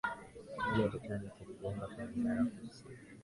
meli ya titanic ilijigonga kwenye barafu usiku